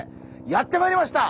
やって参りました。